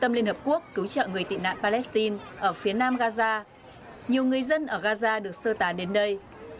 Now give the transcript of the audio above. trong liên hợp quốc cứu trợ người tị nạn palestine ở phía nam gaza nhiều người dân ở gaza được sơ tán đến đây